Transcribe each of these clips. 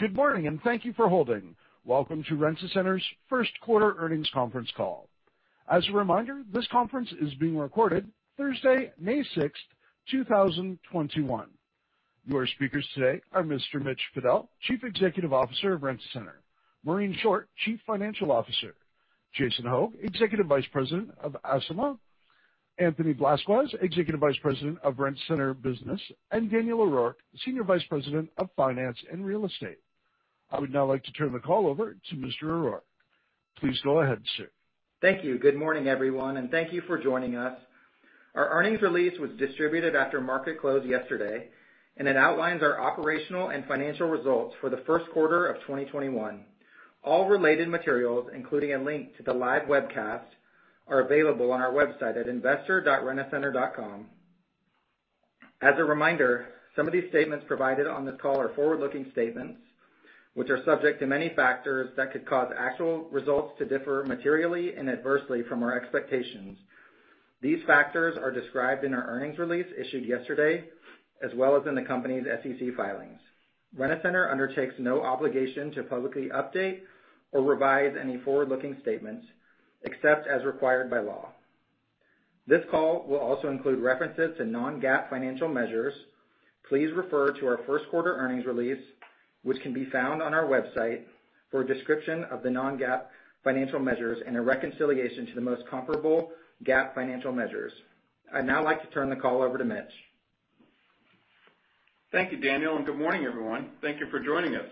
Good morning and thank you for holding. Welcome to Rent-A-Center's First Quarter Earnings Conference Call. As a reminder, this conference is being recorded Thursday, May 6, 2021. Your speakers today are Mr. Mitch Fadel, Chief Executive Officer of Rent-A-Center, Maureen Short, Chief Financial Officer, Jason Hogg, Executive Vice President of Acima, Anthony Blasquez, Executive Vice President of Rent-A-Center Business, and Daniel O'Rourke, Senior Vice President of Finance and Real Estate. I would now like to turn the call over to Mr. O'Rourke. Please go ahead, sir. Thank you. Good morning, everyone, and thank you for joining us. Our earnings release was distributed after market close yesterday, and it outlines our operational and financial results for the first quarter of 2021. All related materials, including a link to the live webcast, are available on our website at investor.rentacenter.com. As a reminder, some of these statements provided on this call are forward-looking statements, which are subject to many factors that could cause actual results to differ materially and adversely from our expectations. These factors are described in our earnings release issued yesterday, as well as in the company's SEC filings. Rent-A-Center undertakes no obligation to publicly update or revise any forward-looking statements except as required by law. This call will also include references to non-GAAP financial measures. Please refer to our first quarter earnings release, which can be found on our website, for a description of the non-GAAP financial measures and a reconciliation to the most comparable GAAP financial measures. I'd now like to turn the call over to Mitch. Thank you, Daniel, and good morning, everyone. Thank you for joining us.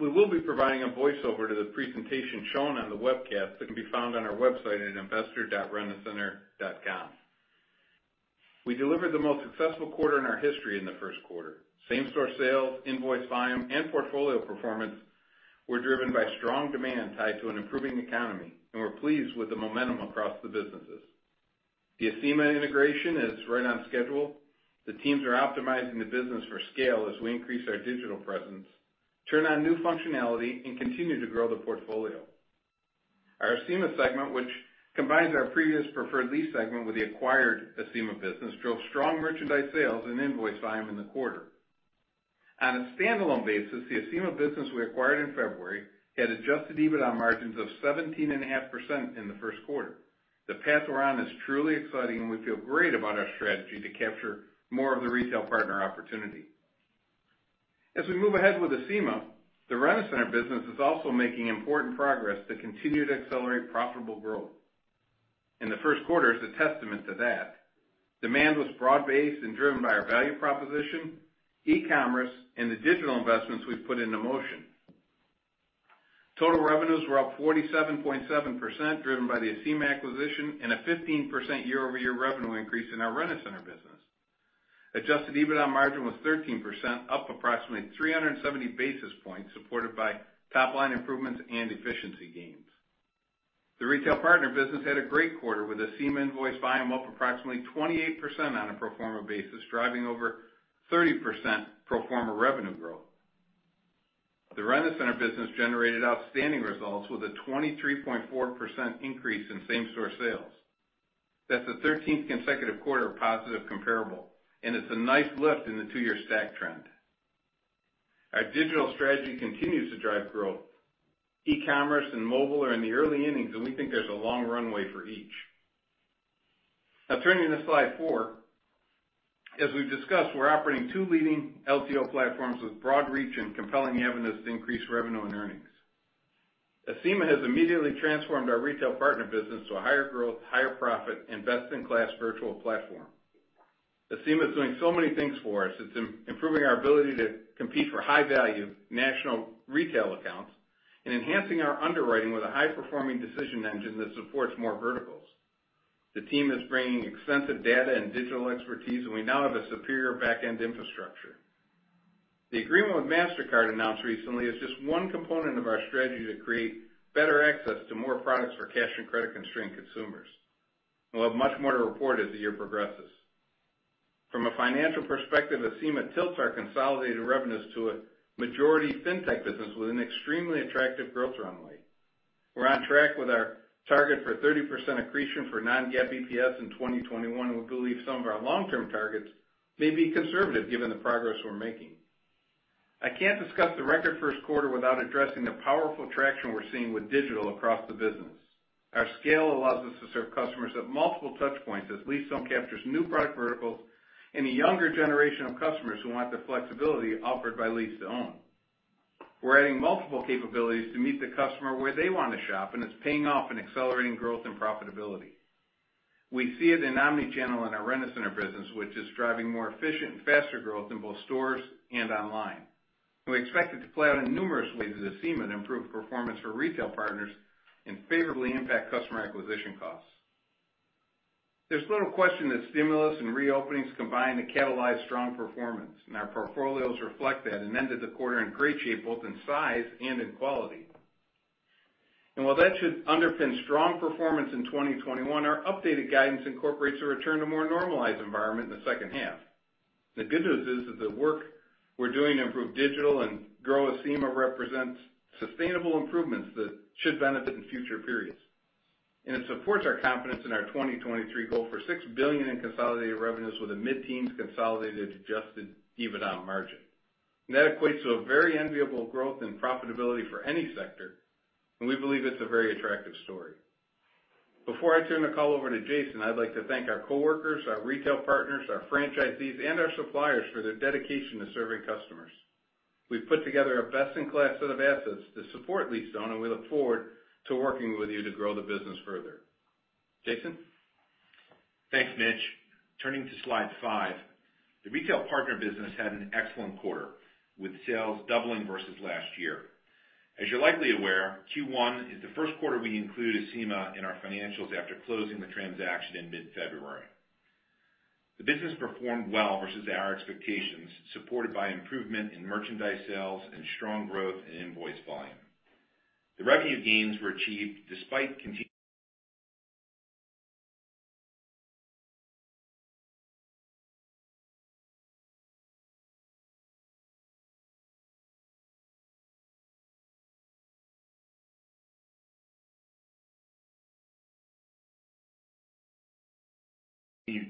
We will be providing a voiceover to the presentation shown on the webcast that can be found on our website at investor.rentacenter.com. We delivered the most successful quarter in our history in the first quarter. Same-store sales, invoice volume, and portfolio performance were driven by strong demand tied to an improving economy, and we're pleased with the momentum across the businesses. The Acima integration is right on schedule. The teams are optimizing the business for scale as we increase our digital presence, turn on new functionality, and continue to grow the portfolio. Our Acima segment, which combines our previous Preferred Lease segment with the acquired Acima business, drove strong merchandise sales and invoice volume in the quarter. On a standalone basis, the Acima business we acquired in February had adjusted EBITDA margins of 17.5% in the first quarter. The path we're on is truly exciting, and we feel great about our strategy to capture more of the retail partner opportunity. As we move ahead with Acima, the Rent-A-Center Business is also making important progress to continue to accelerate profitable growth and the first quarter is a testament to that. Demand was broad-based and driven by our value proposition, e-commerce, and the digital investments we've put into motion. Total revenues were up 47.7%, driven by the Acima acquisition and a 15% year-over-year revenue increase in our Rent-A-Center Business. Adjusted EBITDA margin was 13%, up approximately 370 basis points, supported by top-line improvements and efficiency gains. The retail partner business had a great quarter, with Acima invoice volume up approximately 28% on a pro forma basis, driving over 30% pro forma revenue growth. The Rent-A-Center Business generated outstanding results with a 23.4% increase in same-store sales. That's the 13th consecutive quarter of positive comparable, and it's a nice lift in the two-year stack trend. Our digital strategy continues to drive growth, e-commerce and mobile are in the early innings, and we think there's a long runway for each. Turning to slide four. As we've discussed, we're operating two leading LTO platforms with broad reach and compelling avenues to increase revenue and earnings. Acima has immediately transformed our retail partner business to a higher growth, higher profit, and best-in-class virtual platform. Acima is doing so many things for us. It's improving our ability to compete for high-value national retail accounts and enhancing our underwriting with a high-performing decision engine that supports more verticals. The team is bringing extensive data and digital expertise, and we now have a superior back-end infrastructure. The agreement with Mastercard announced recently is just one component of our strategy to create better access to more products for cash and credit-constrained consumers. We'll have much more to report as the year progresses. From a financial perspective, Acima tilts our consolidated revenues to a majority fintech business with an extremely attractive growth runway. We're on track with our target for 30% accretion for non-GAAP EPS in 2021, and we believe some of our long-term targets may be conservative given the progress we're making. I can't discuss the record first quarter without addressing the powerful traction we're seeing with digital across the business. Our scale allows us to serve customers at multiple touch points as lease-to-own captures new product verticals and a younger generation of customers who want the flexibility offered by lease-to-own. We're adding multiple capabilities to meet the customer where they want to shop, and it's paying off in accelerating growth and profitability. We see it in omnichannel in our Rent-A-Center Business, which is driving more efficient and faster growth in both stores and online. We expect it to play out in numerous ways at Acima to improve performance for retail partners and favorably impact customer acquisition costs. There's little question that stimulus and reopenings combine to catalyze strong performance, our portfolios reflect that and ended the quarter in great shape, both in size and in quality. While that should underpin strong performance in 2021, our updated guidance incorporates a return to more normalized environment in the second half. The good news is that the work we're doing to improve digital and grow Acima represents sustainable improvements that should benefit in future periods. And it supports our confidence in our 2023 goal for $6 billion in consolidated revenues with a mid-teens consolidated adjusted EBITDA margin. That equates to a very enviable growth in profitability for any sector, and we believe it's a very attractive story. Before I turn the call over to Jason, I'd like to thank our coworkers, our retail partners, our franchisees, and our suppliers for their dedication to serving customers. We've put together a best-in-class set of assets to support lease-to-own, and we look forward to working with you to grow the business further. Jason? Thanks, Mitch. Turning to slide five. The retail partner business had an excellent quarter, with sales doubling versus last year. As you're likely aware, Q1 is the first quarter we include Acima in our financials after closing the transaction in mid-February. The business performed well versus our expectations, supported by improvement in merchandise sales and strong growth in invoice volume. The revenue gains were achieved despite continued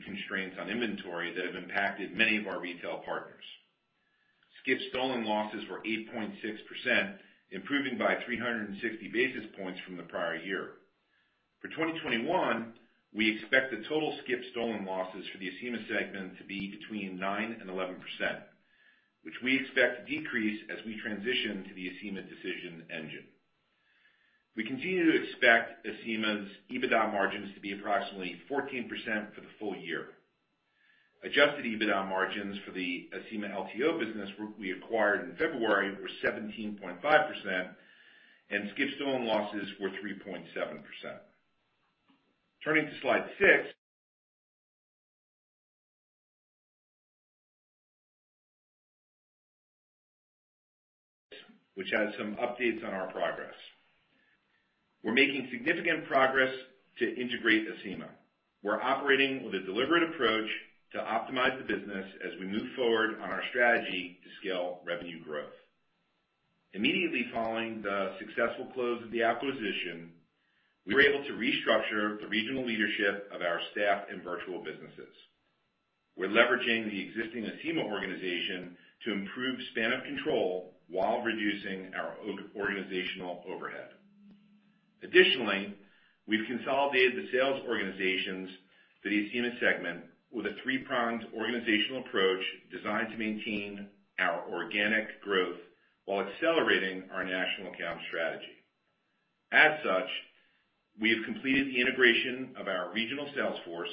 constraints on inventory that have impacted many of our retail partners. Skip/stolen losses were 8.6%, improving by 360 basis points from the prior year. For 2021, we expect the total skip/stolen losses for the Acima segment to be between 9% and 11%, which we expect to decrease as we transition to the Acima decision engine. We continue to expect Acima's EBITDA margins to be approximately 14% for the full year. Adjusted EBITDA margins for the Acima LTO business we acquired in February were 17.5%, and skip/stolen losses were 3.7%. Turning to slide six, which has some updates on our progress. We're making significant progress to integrate Acima. We're operating with a deliberate approach to optimize the business as we move forward on our strategy to scale revenue growth. Immediately following the successful close of the acquisition, we were able to restructure the regional leadership of our staff and virtual businesses. We're leveraging the existing Acima organization to improve span of control while reducing our organizational overhead. Additionally, we've consolidated the sales organizations for the Acima segment with a three-pronged organizational approach designed to maintain our organic growth while accelerating our National Account strategy. As such, we have completed the integration of our regional sales force,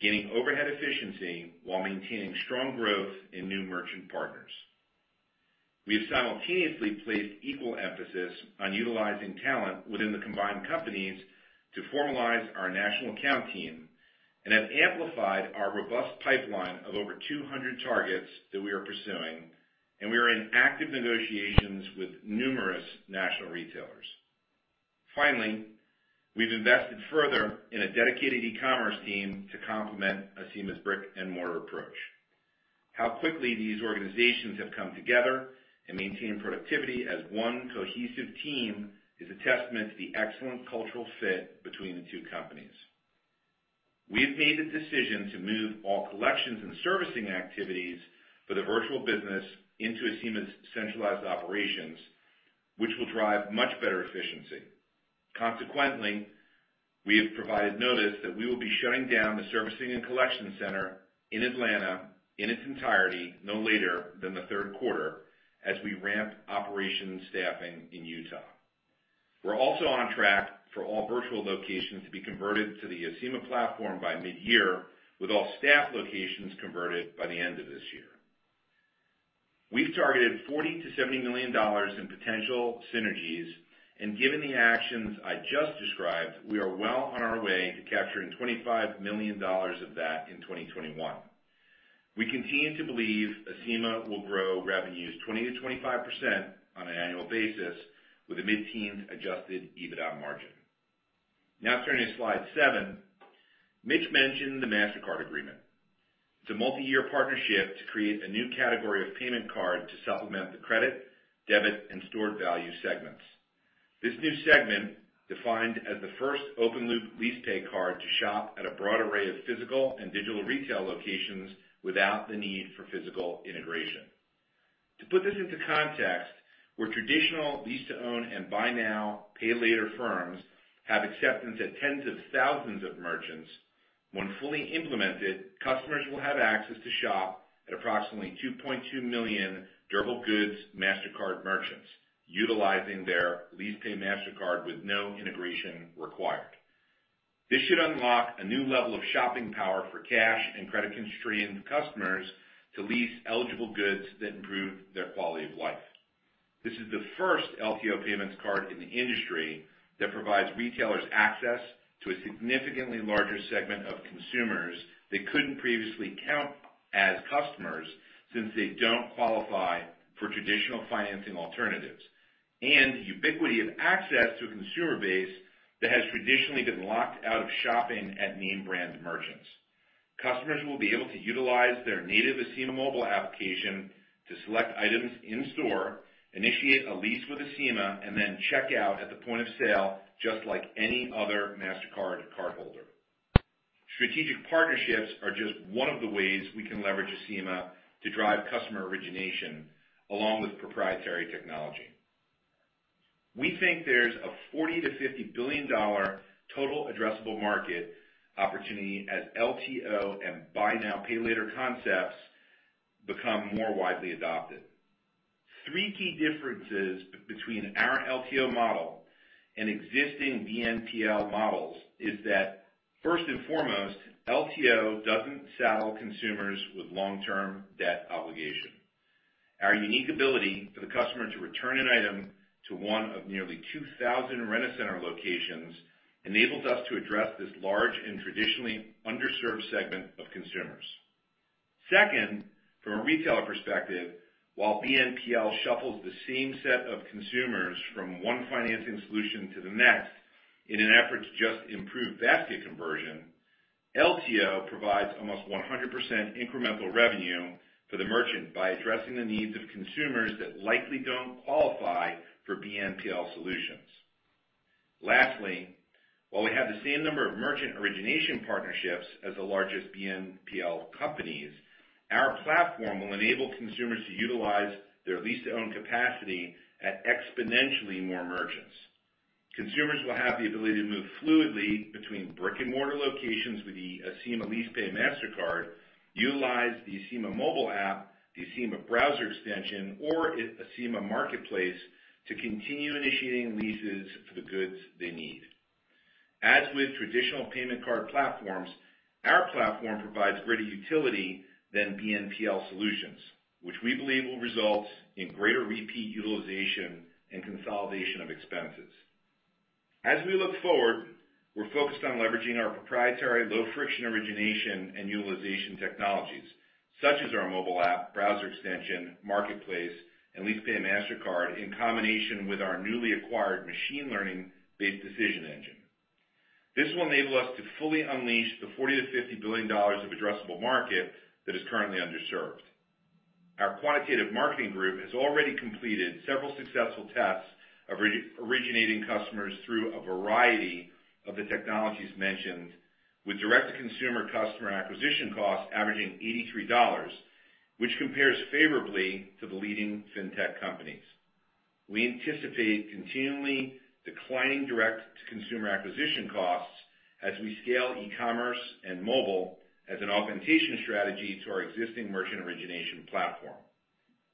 gaining overhead efficiency while maintaining strong growth in new merchant partners. We have simultaneously placed equal emphasis on utilizing talent within the combined companies to formalize our National Account team and have amplified our robust pipeline of over 200 targets that we are pursuing, and we are in active negotiations with numerous national retailers. We've invested further in a dedicated e-commerce team to complement Acima's brick-and-mortar approach. How quickly these organizations have come together and maintained productivity as one cohesive team is a testament to the excellent cultural fit between the two companies. We have made the decision to move all collections and servicing activities for the virtual business into Acima's centralized operations, which will drive much better efficiency. Consequently, we have provided notice that we will be shutting down the servicing and collection center in Atlanta in its entirety no later than the third quarter as we ramp operations staffing in Utah. We're also on track for all virtual locations to be converted to the Acima platform by mid-year, with all staff locations converted by the end of this year. We've targeted $40 million-$70 million in potential synergies, given the actions I just described, we are well on our way to capturing $25 million of that in 2021. We continue to believe Acima will grow revenues 20%-25% on an annual basis with a mid-teen adjusted EBITDA margin. Turning to slide seven. Mitch mentioned the Mastercard agreement to multi-year partnership to create a new category of payment card to supplement the credit, debit, and stored value segments, this new segment defined as the first open-loop LeasePay card to shop at a broad array of physical and digital retail locations without the need for physical integration. To put this into context, where traditional lease-to-own and buy now, pay later firms have acceptance at tens of thousands of merchants, when fully implemented, customers will have access to shop at approximately 2.2 million durable goods Mastercard merchants utilizing their LeasePay Mastercard with no integration required. This should unlock a new level of shopping power for cash and credit-constrained customers to lease eligible goods that improve their quality of life. This is the first LTO payments card in the industry that provides retailers access to a significantly larger segment of consumers they couldn't previously count as customers since they don't qualify for traditional financing alternatives, and ubiquity of access to a consumer base that has traditionally been locked out of shopping at name brand merchants. Customers will be able to utilize their native Acima mobile application to select items in store, initiate a lease with Acima, and then check out at the point of sale just like any other Mastercard cardholder. Strategic partnerships are just one of the ways we can leverage Acima to drive customer origination, along with proprietary technology. We think there's a $40 billion-$50 billion total addressable market opportunity as LTO and buy now, pay later concepts become more widely adopted. Three key differences between our LTO model and existing BNPL models is that first and foremost, LTO doesn't saddle consumers with long-term debt obligation. Our unique ability for the customer to return an item to one of nearly 2,000 Rent-A-Center locations enables us to address this large and traditionally underserved segment of consumers. Second, from a retailer perspective, while BNPL shuffles the same set of consumers from one financing solution to the next in an effort to just improve basket conversion, LTO provides almost 100% incremental revenue for the merchant by addressing the needs of consumers that likely don't qualify for BNPL solutions. Lastly, while we have the same number of merchant origination partnerships as the largest BNPL companies, our platform will enable consumers to utilize their lease-to-own capacity at exponentially more merchants. Consumers will have the ability to move fluidly between brick-and-mortar locations with the Acima LeasePay Card, utilize the Acima mobile app, the Acima browser extension, or Acima MarketPlace to continue initiating leases for the goods they need. As with traditional payment card platforms, our platform provides greater utility than BNPL solutions, which we believe will result in greater repeat utilization and consolidation of expenses. As we look forward, we're focused on leveraging our proprietary low-friction origination and utilization technologies, such as our mobile app, browser extension, marketplace, and LeasePay card, in combination with our newly acquired machine learning-based decision engine. This will enable us to fully unleash the $40 billion-$50 billion of addressable market that is currently underserved. Our quantitative marketing group has already completed several successful tests of originating customers through a variety of the technologies mentioned with direct-to-consumer customer acquisition costs averaging $83, which compares favorably to the leading fintech companies. We anticipate continually declining direct-to-consumer acquisition costs as we scale e-commerce and mobile as an augmentation strategy to our existing merchant origination platform.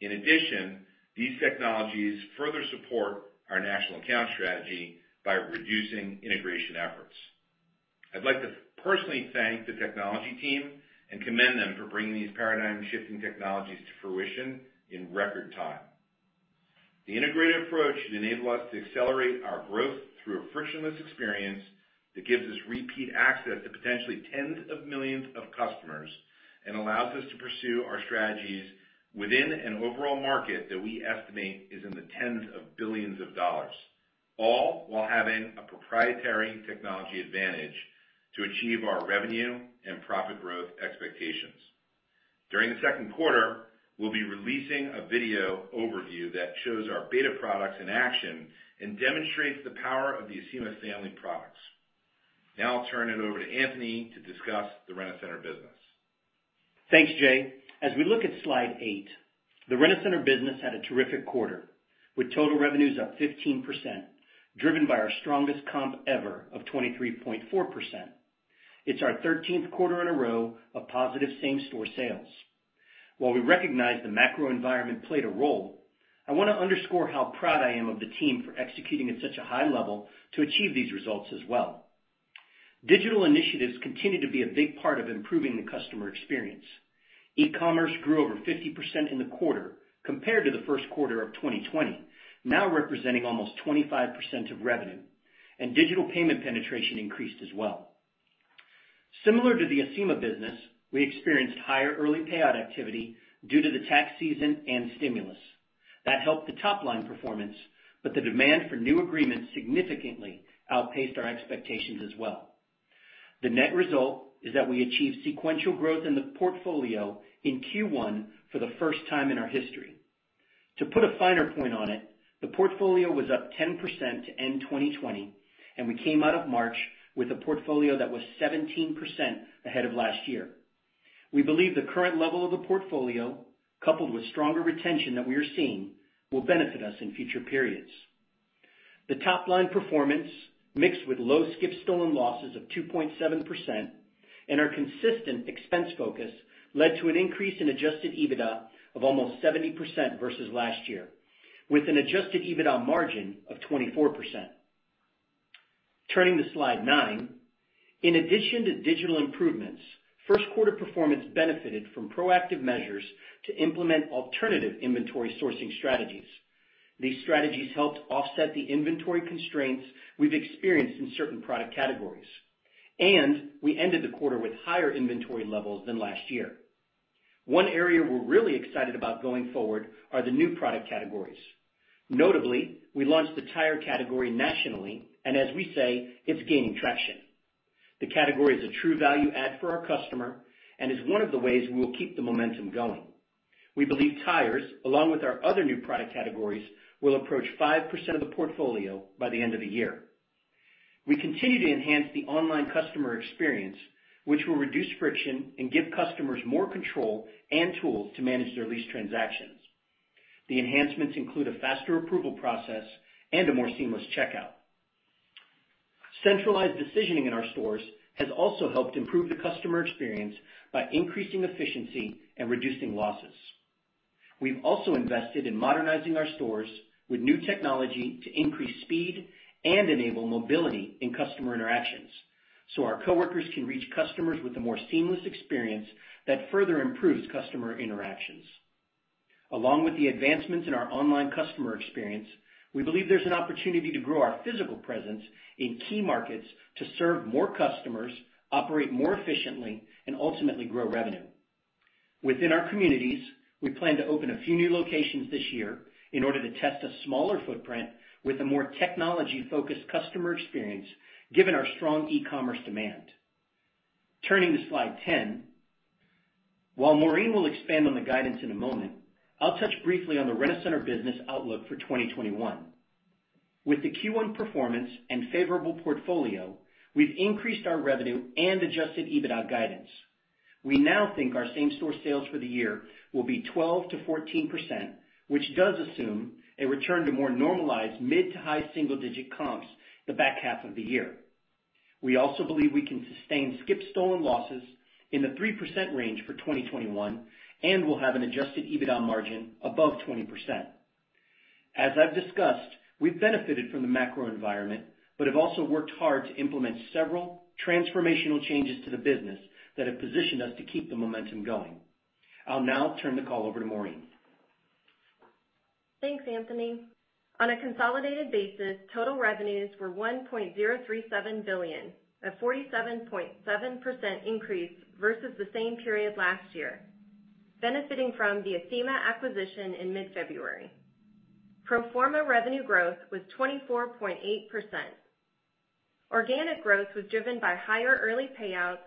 In addition, these technologies further support our National Account strategy by reducing integration efforts. I'd like to personally thank the technology team and commend them for bringing these paradigm-shifting technologies to fruition in record time. The integrated approach should enable us to accelerate our growth through a frictionless experience that gives us repeat access to potentially tens of millions of customers and allows us to pursue our strategies within an overall market that we estimate is in the tens of billions of dollars, all while having a proprietary technology advantage to achieve our revenue and profit growth expectations. During the second quarter, we will be releasing a video overview that shows our beta products in action and demonstrates the power of the Acima family of products. Now I will turn it over to Anthony to discuss the Rent-A-Center Business. Thanks, Jay. As we look at slide eight, the Rent-A-Center Business had a terrific quarter, with total revenues up 15%, driven by our strongest comp ever of 23.4%. It's our 13th quarter in a row of positive same-store sales. While we recognize the macro environment played a role, I want to underscore how proud I am of the team for executing at such a high level to achieve these results as well. Digital initiatives continue to be a big part of improving the customer experience. E-commerce grew over 50% in the quarter compared to the first quarter of 2020, now representing almost 25% of revenue, and digital payment penetration increased as well. Similar to the Acima business, we experienced higher early payout activity due to the tax season and stimulus. That helped the top-line performance, but the demand for new agreements significantly outpaced our expectations as well. The net result is that we achieved sequential growth in the portfolio in Q1 for the first time in our history. To put a finer point on it, the portfolio was up 10% to end 2020, and we came out of March with a portfolio that was 17% ahead of last year. We believe the current level of the portfolio, coupled with stronger retention that we are seeing, will benefit us in future periods. The top-line performance, mixed with low skip/stolen losses of 2.7% and our consistent expense focus, led to an increase in adjusted EBITDA of almost 70% versus last year, with an adjusted EBITDA margin of 24%. Turning to slide nine. In addition to digital improvements, first quarter performance benefited from proactive measures to implement alternative inventory sourcing strategies. These strategies helped offset the inventory constraints we've experienced in certain product categories. And we ended the quarter with higher inventory levels than last year. One area we're really excited about going forward are the new product categories. Notably, we launched the tire category nationally, and as we say, it's gaining traction. The category is a true value add for our customer and is one of the ways we will keep the momentum going. We believe tires, along with our other new product categories, will approach 5% of the portfolio by the end of the year. We continue to enhance the online customer experience, which will reduce friction and give customers more control and tools to manage their lease transactions. The enhancements include a faster approval process and a more seamless checkout. Centralized decisioning in our stores has also helped improve the customer experience by increasing efficiency and reducing losses. We've also invested in modernizing our stores with new technology to increase speed and enable mobility in customer interactions, so our coworkers can reach customers with a more seamless experience that further improves customer interactions. Along with the advancements in our online customer experience, we believe there's an opportunity to grow our physical presence in key markets to serve more customers, operate more efficiently, and ultimately grow revenue. Within our communities, we plan to open a few new locations this year in order to test a smaller footprint with a more technology-focused customer experience, given our strong e-commerce demand. Turning to slide 10, while Maureen will expand on the guidance in a moment, I'll touch briefly on the Rent-A-Center Business outlook for 2021. With the Q1 performance and favorable portfolio, we've increased our revenue and adjusted EBITDA guidance. We now think our same-store sales for the year will be 12%-14%, which does assume a return to more normalized mid to high single-digit comps the back half of the year. We also believe we can sustain skip/stolen losses in the 3% range for 2021, and we'll have an adjusted EBITDA margin above 20%. As I've discussed, we've benefited from the macro environment, but have also worked hard to implement several transformational changes to the business that have positioned us to keep the momentum going. I'll now turn the call over to Maureen. Thanks, Anthony. On a consolidated basis, total revenues were $1.037 billion, a 47.7% increase versus the same period last year, benefiting from the Acima acquisition in mid-February. Pro forma revenue growth was 24.8%. Organic growth was driven by higher early payouts,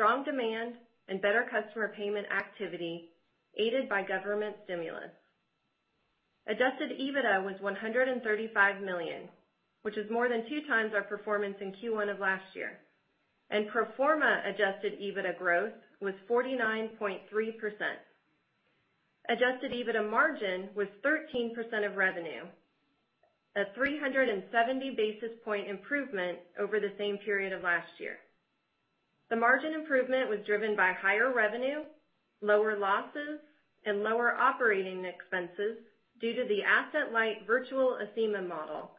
strong demand, and better customer payment activity, aided by government stimulus. Adjusted EBITDA was $135 million, which is more than two times our performance in Q1 of last year, and pro forma adjusted EBITDA growth was 49.3%. Adjusted EBITDA margin was 13% of revenue, a 370 basis point improvement over the same period of last year. The margin improvement was driven by higher revenue, lower losses, and lower operating expenses due to the asset-light virtual Acima model,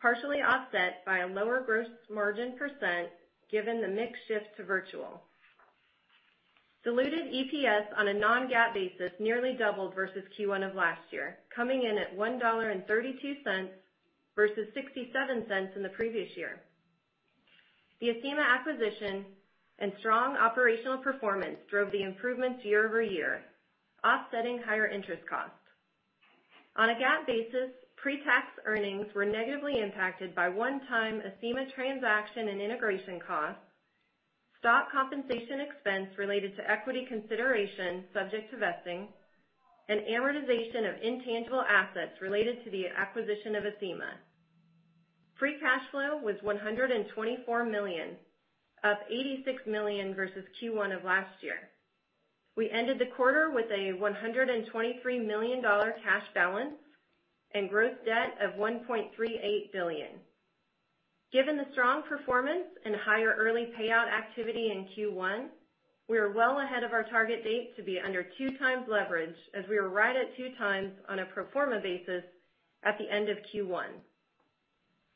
partially offset by a lower gross margin percent given the mix shift to virtual. Diluted EPS on a non-GAAP basis nearly doubled versus Q1 of last year, coming in at $1.32 versus $0.67 in the previous year. The Acima acquisition and strong operational performance drove the improvements year-over-year, offsetting higher interest costs. On a GAAP basis, pre-tax earnings were negatively impacted by one-time Acima transaction and integration costs, stock compensation expense related to equity consideration subject to vesting, and amortization of intangible assets related to the acquisition of Acima. Free cash flow was $124 million, up $86 million versus Q1 of last year. We ended the quarter with a $123 million cash balance and gross debt of $1.38 billion. Given the strong performance and higher early payout activity in Q1, we are well ahead of our target date to be under 2x leverage, as we were right at 2x on a pro forma basis at the end of Q1.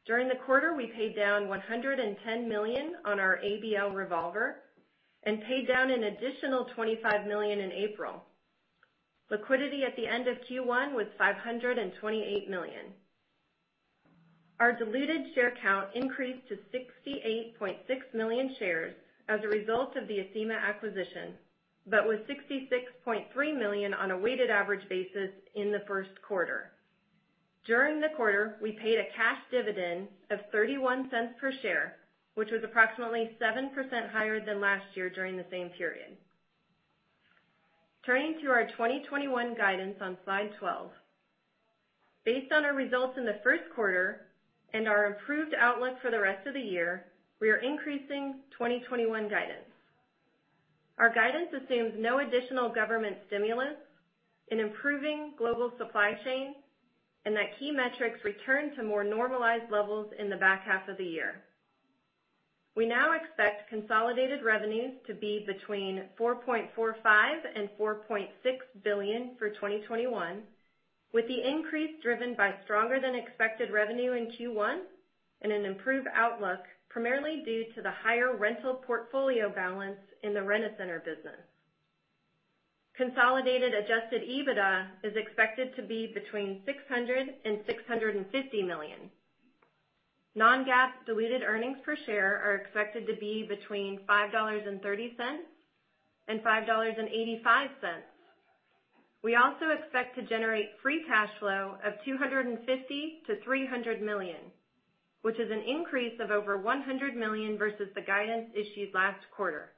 During the quarter, we paid down $110 million on our ABL revolver and paid down an additional $25 million in April. Liquidity at the end of Q1 was $528 million. Our diluted share count increased to 68.6 million shares as a result of the Acima acquisition, but was 66.3 million on a weighted average basis in the first quarter. During the quarter, we paid a cash dividend of $0.31 per share, which was approximately 7% higher than last year during the same period. Turning to our 2021 guidance on slide 12. Based on our results in the first quarter and our improved outlook for the rest of the year, we are increasing 2021 guidance. Our guidance assumes no additional government stimulus, an improving global supply chain, and that key metrics return to more normalized levels in the back half of the year. We now expect consolidated revenues to be between $4.45 billion and $4.6 billion for 2021, with the increase driven by stronger-than-expected revenue in Q1 and an improved outlook, primarily due to the higher rental portfolio balance in the Rent-A-Center Business. Consolidated adjusted EBITDA is expected to be between $600 million and $650 million. Non-GAAP diluted earnings per share are expected to be between $5.30 and $5.85. We also expect to generate free cash flow of $250 million-$300 million, which is an increase of over $100 million versus the guidance issued last quarter.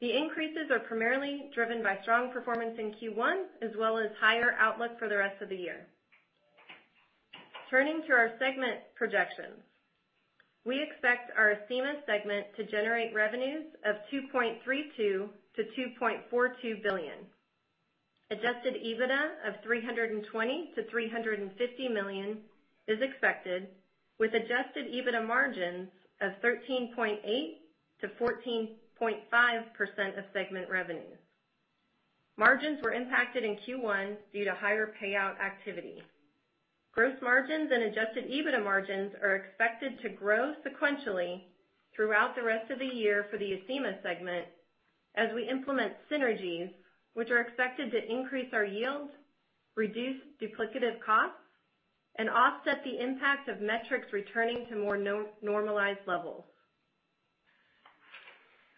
The increases are primarily driven by strong performance in Q1, as well as higher outlook for the rest of the year. Turning to our segment projections. We expect our Acima segment to generate revenues of $2.32 billion-$2.42 billion. Adjusted EBITDA of $320 million-$350 million is expected, with adjusted EBITDA margins of 13.8%-14.5% of segment revenue. Margins were impacted in Q1 due to higher payout activity. Gross margins and adjusted EBITDA margins are expected to grow sequentially throughout the rest of the year for the Acima segment as we implement synergies, which are expected to increase our yield, reduce duplicative costs, and offset the impact of metrics returning to more normalized levels.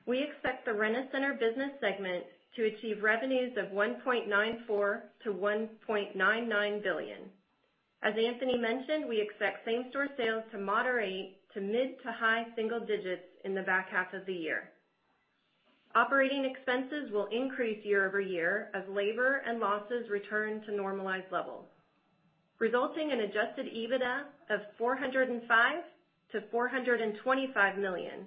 We expect the Rent-A-Center Business segment to achieve revenues of $1.94 billion-$1.99 billion. As Anthony mentioned, we expect same-store sales to moderate to mid to high-single digits in the back half of the year. Operating expenses will increase year-over-year as labor and losses return to normalized levels, resulting in adjusted EBITDA of $405 million-$425 million,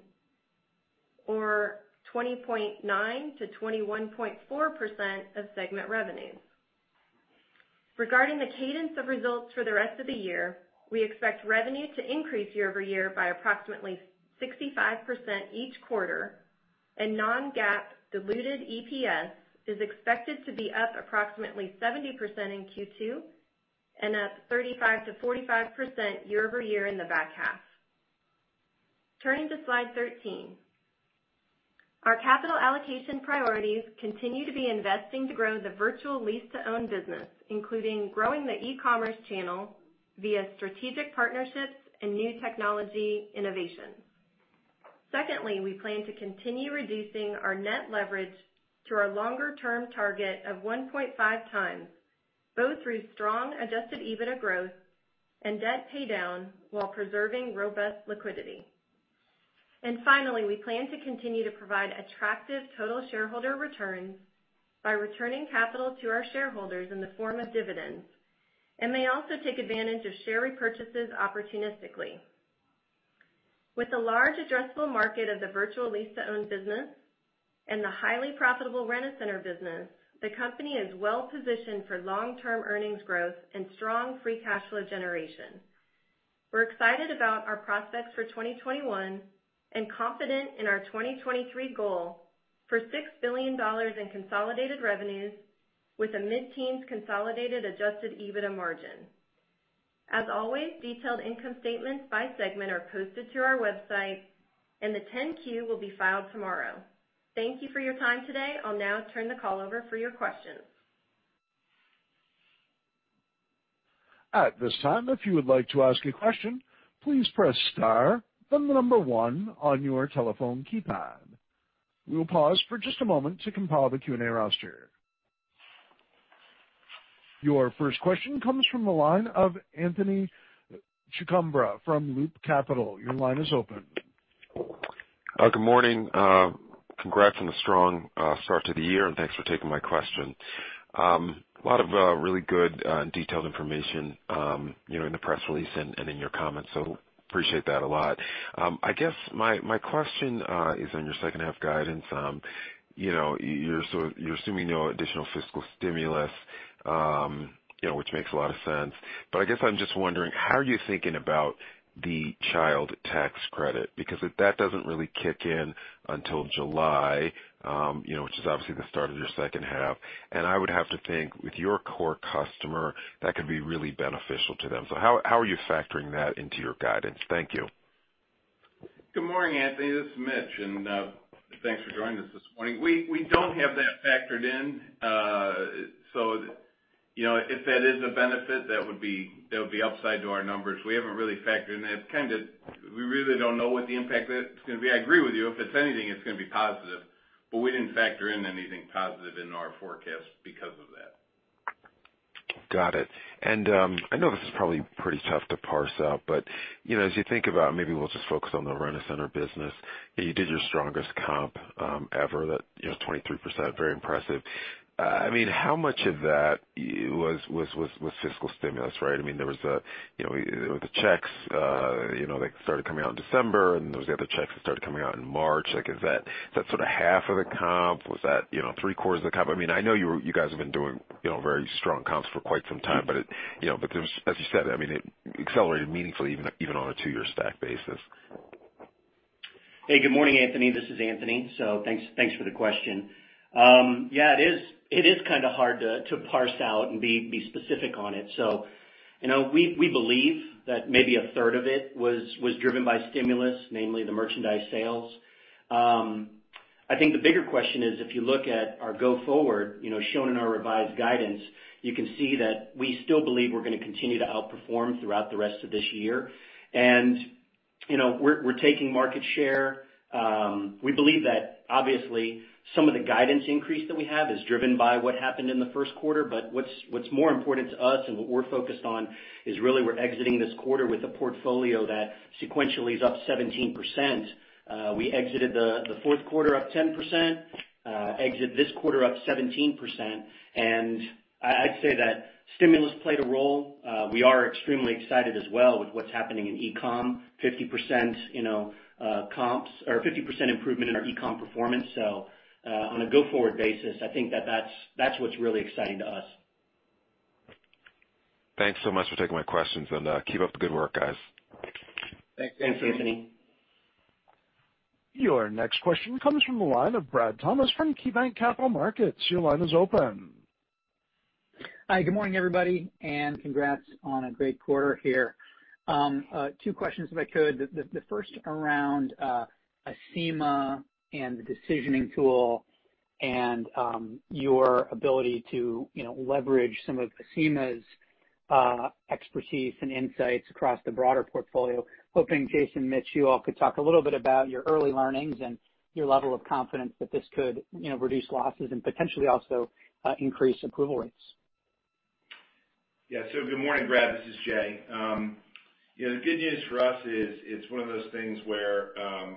or 20.9%-21.4% of segment revenue. Regarding the cadence of results for the rest of the year, we expect revenue to increase year-over-year by approximately 65% each quarter, and non-GAAP diluted EPS is expected to be up approximately 70% in Q2 and up 35%-45% year-over-year in the back half. Turning to slide 13. Our capital allocation priorities continue to be investing to grow the virtual lease-to-own business, including growing the e-commerce channel via strategic partnerships and new technology innovations. Secondly, we plan to continue reducing our net leverage to our longer-term target of 1.5x, both through strong adjusted EBITDA growth and debt paydown while preserving robust liquidity. Finally, we plan to continue to provide attractive total shareholder returns by returning capital to our shareholders in the form of dividends and may also take advantage of share repurchases opportunistically. With the large addressable market of the virtual lease-to-own business and the highly profitable Rent-A-Center Business, the company is well-positioned for long-term earnings growth and strong free cash flow generation. We're excited about our prospects for 2021 and confident in our 2023 goal for $6 billion in consolidated revenues with a mid-teens consolidated adjusted EBITDA margin. As always, detailed income statements by segment are posted to our website, and the 10-Q will be filed tomorrow. Thank you for your time today. I'll now turn the call over for your questions. At this time, if you would like to ask a question, please press star then the number one on your telephone keypad. We will pause for just a moment to compile the Q&A roster. Your first question comes from the line of Anthony Chukumba from Loop Capital. Your line is open. Good morning. Congrats on the strong start to the year. Thanks for taking my question. Lot of really good detailed information in the press release and in your comments, so appreciate that a lot. I guess my question is on your second half guidance. You know, you're assuming no additional fiscal stimulus, you know, which makes a lot of sense. But I guess I'm just wondering, how are you thinking about the child tax credit? Because that doesn't really kick in until July, you know, which is obviously the start of your second half. I would have to think with your core customer, that could be really beneficial to them. How are you factoring that into your guidance? Thank you. Good morning, Anthony. This is Mitch. Thanks for joining us this morning. We don't have that factored in. If that is a benefit, that would be upside to our numbers. We haven't really factored in that. We really don't know what the impact of that is going to be. I agree with you. If it's anything, it's going to be positive. We didn't factor in anything positive in our forecast because of that. Got it. And I know this is probably pretty tough to parse out, but, you know, as you think about, maybe we'll just focus on the Rent-A-Center Business. You did your strongest comp ever that, you know, 23%, very impressive. I mean, how much of that was fiscal stimulus, right? There was the, you know, checks, you know, that started coming out in December, and there was the other checks that started coming out in March. Is that sort of half of the comp? Was that, you know, three-quarters of the comp? I know you guys have been doing, you know, very strong comps for quite some time, you know, but as you said, it accelerated meaningfully even on a two-year stack basis. Hey, good morning, Anthony. This is Anthony. Thanks for the question. Yeah, it is kind of hard to parse out and be specific on it. You know, we believe that maybe a third of it was driven by stimulus, namely the merchandise sales. I think the bigger question is if you look at our go-forward, shown in our revised guidance, you can see that we still believe we're going to continue to outperform throughout the rest of this year. And, you know, we're taking market share. We believe that obviously some of the guidance increase that we have is driven by what happened in the first quarter. But what's more important to us and what we're focused on is really we're exiting this quarter with a portfolio that sequentially is up 17%. We exited the fourth quarter up 10%, exit this quarter up 17%. I'd say that stimulus played a role. We are extremely excited as well with what's happening in e-com, you know, 50% improvement in our e-com performance. On a go-forward basis, I think that's what's really exciting to us. Thanks so much for taking my questions. Keep up the good work, guys. Thanks. Thanks, Anthony. Your next question comes from the line of Brad Thomas from KeyBanc Capital Markets. Your line is open. Hi, good morning, everybody. Congrats on a great quarter here. Two questions if I could. The first around Acima and the decision engine and your ability to leverage some of Acima's expertise and insights across the broader portfolio. Hoping, Jason, Mitch, you all could talk a little bit about your early learnings and your level of confidence that this could, you know, reduce losses and potentially also increase approval rates. Good morning, Brad. This is Jay. The good news for us is it's one of those things where,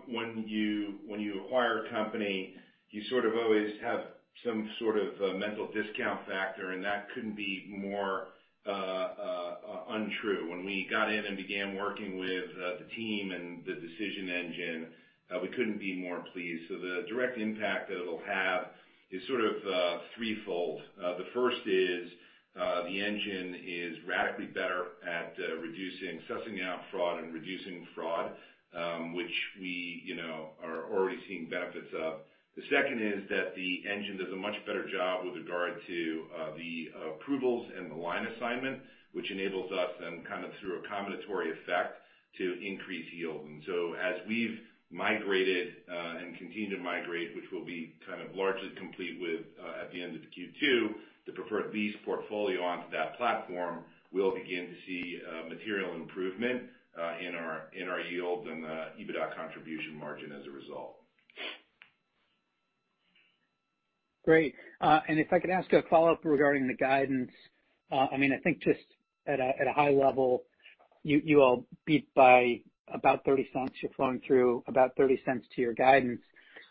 when you acquire a company, you sort of always have some sort of mental discount factor, and that couldn't be more untrue. When we got in and began working with the team and the decision engine, we couldn't be more pleased. The direct impact that it'll have is sort of threefold. The first is, the engine is radically better at sussing out fraud and reducing fraud, which we, you know, are already seeing benefits of. The second is that the engine does a much better job with regard to the approvals and the line assignment, which enables us, then kind of through a combinatory effect, to increase yield. So, as we've migrated, and continue to migrate, which will be kind of largely complete at the end of Q2, the Preferred Lease portfolio onto that platform, we'll begin to see material improvement in our yield and EBITDA contribution margin as a result. Great. If I could ask a follow-up regarding the guidance. I think just at a high level, you all beat by about $0.30. You're flowing through about $0.30 to your guidance.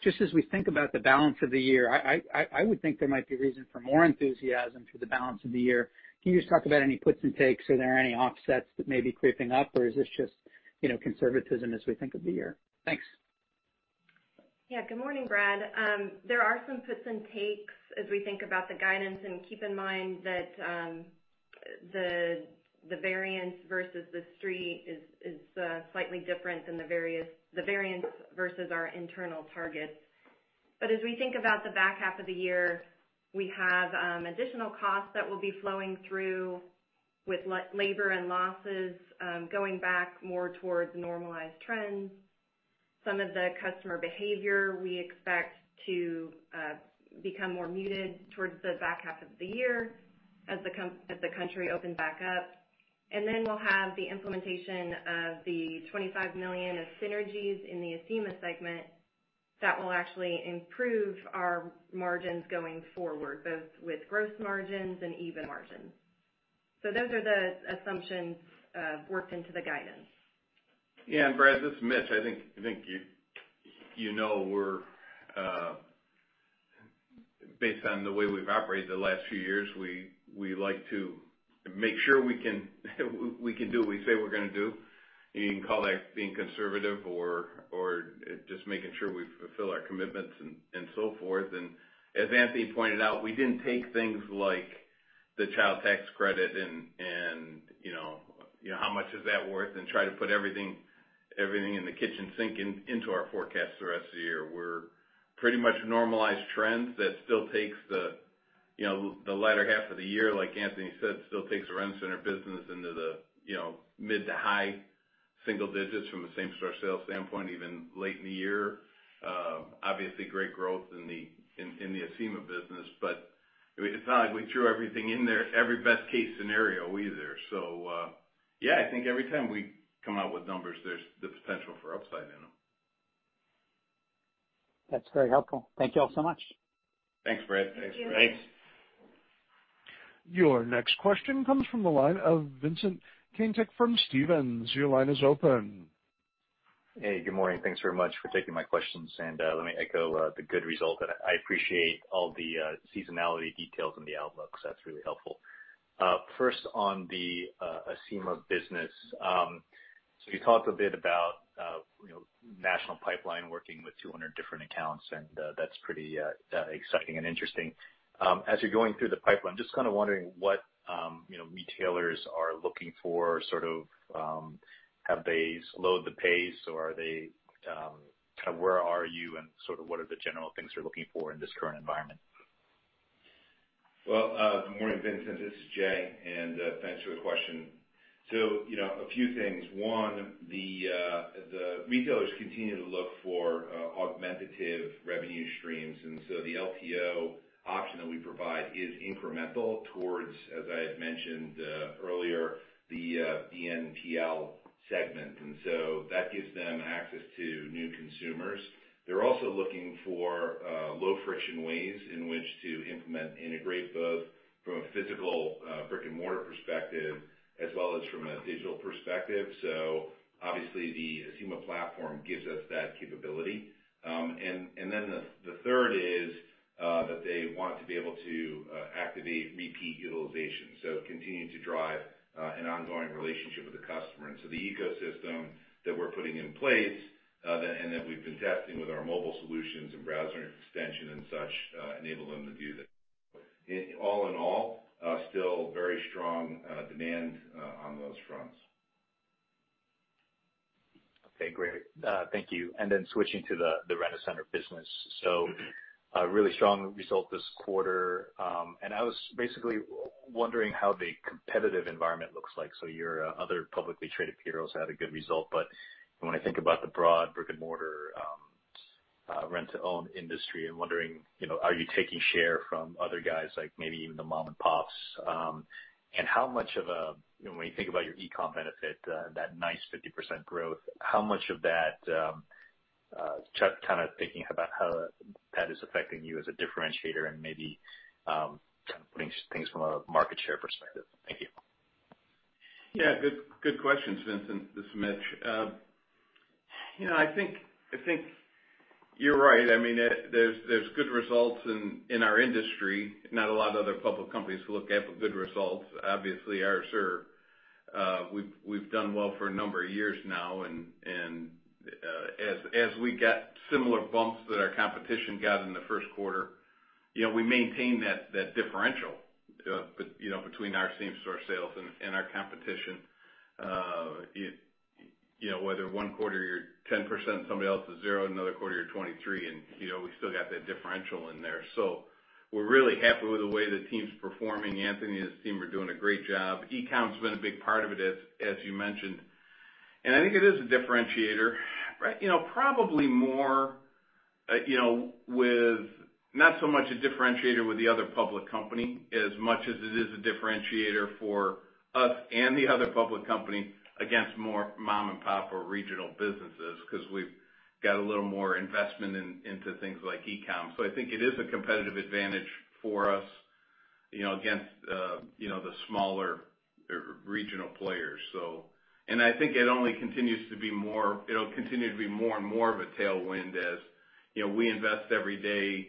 Just as we think about the balance of the year, I would think there might be reason for more enthusiasm for the balance of the year. Can you just talk about any puts and takes? Are there any offsets that may be creeping up, or is this just conservatism as we think of the year? Thanks. Yeah. Good morning, Brad. There are some puts and takes as we think about the guidance. Keep in mind that the variance versus the Street is slightly different than the variance versus our internal targets. As we think about the back half of the year, we have additional costs that will be flowing through with labor and losses going back more towards normalized trends. Some of the customer behavior we expect to become more muted towards the back half of the year as the country opens back up. Then we'll have the implementation of the $25 million of synergies in the Acima segment that will actually improve our margins going forward, both with gross margins and EBIT margins. Those are the assumptions worked into the guidance. Yeah. Brad, this is Mitch. I think you know based on the way we've operated the last few years, we like to make sure we can do what we say we're going to do. You can call that being conservative or just making sure we fulfill our commitments and so forth. As Anthony pointed out, we didn't take things like the child tax credit and, you know, how much is that worth and try to put everything and the kitchen sink into our forecast the rest of the year. We're pretty much normalized trends that, you know, still takes the, you know, the latter half of the year, like Anthony said, still takes the Rent-A-Center Business into the, you know, mid- to high-single digits from a same-store sales standpoint even late in the year. Obviously great growth in the Acima business, but it's not like we threw everything in there, every best-case scenario either. Yeah, I think every time we come out with numbers, there's the potential for upside in them. That's very helpful. Thank you all so much. Thanks, Brad. Thank you. Thanks. Your next question comes from the line of Vincent Caintic from Stephens. Your line is open. Hey, good morning. Thanks very much for taking my questions, and let me echo the good result. I appreciate all the seasonality details in the outlook. That's really helpful. First on the Acima business. You talked a bit about National pipeline working with 200 different accounts. That's pretty exciting and interesting. As you're going through the pipeline, just kind of wondering what, you know, retailers are looking for, sort of have they slowed the pace or kind of where are you and sort of what are the general things they're looking for in this current environment? Well, good morning, Vincent, this is Jay, and thanks for the question. You know, a few things. One, the retailers continue to look for augmentative revenue streams, the LTO option that we provide is incremental towards, as I had mentioned earlier, the BNPL segment. That gives them access to new consumers. They're also looking for low-friction ways in which to implement and integrate both from a physical brick-and-mortar perspective, as well as from a digital perspective. Obviously, the Acima platform gives us that capability. And the third is that they want to be able to activate repeat utilization, continue to drive an ongoing relationship with the customer. The ecosystem that we're putting in place, and that we've been testing with our mobile solutions and browser extension and such, enable them to do that. All in all, still very strong demand on those fronts. Okay, great. Thank you. Switching to the Rent-A-Center Business. A really strong result this quarter. I was basically wondering how the competitive environment looks like. Your other publicly traded peers have had a good result, but when I think about the broad brick-and-mortar lease-to-own industry, I'm wondering, you know, are you taking share from other guys, like maybe even the mom-and-pops? And how much of—when you think about your e-commerce benefit, that nice 50% growth, how much of that, just kind of thinking about how that is affecting you as a differentiator and maybe kind of putting things from a market share perspective? Thank you. Yeah, good question, Vincent. This is Mitch. You know, I think you're right. I mean, there's good results in our industry. Not a lot of other public companies to look at for good results. Obviously, ours are. We've done well for a number of years now, and as we get similar bumps that our competition got in the first quarter, you know, we maintain that differential, you know, between our same store sales and our competition. You know, whether one quarter you're 10%, somebody else is zero, another quarter you're 23%, and, you know, we still got that differential in there. We're really happy with the way the team's performing. Anthony and his team are doing a great job. e-com's been a big part of it, as you mentioned, and I think it is a differentiator. Probably more, you know, with not so much a differentiator with the other public company, as much as it is a differentiator for us and the other public company against more mom-and-pop or regional businesses, because we've got a little more investment into things like e-com. So I think it is a competitive advantage for us, you know, against, you know, the smaller regional players. And I think it'll only continue to be more and more of a tailwind as we invest every day